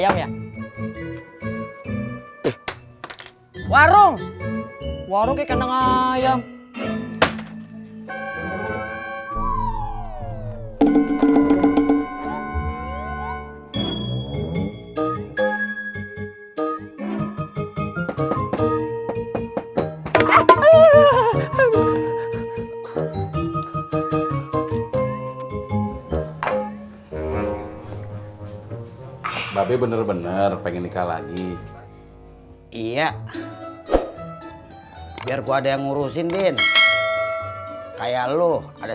mbak be bener bener pengen nikah lagi iya biar gua ada yang ngurusin din kayak lo ada